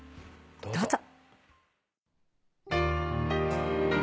どうぞ。